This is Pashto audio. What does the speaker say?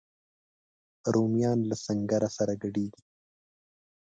رومیان له سنګره سره ګډیږي